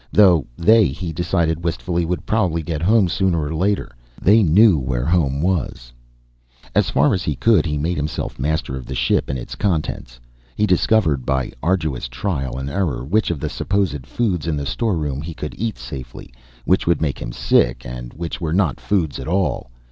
Though they, he decided wistfully, would probably get home sooner or later. They knew where home was. As far as he could, he made himself master of the ship and its contents. He discovered, by arduous trial and error, which of the supposed foods in the storerooms he could eat safely, which would make him sick, and which were not foods at all.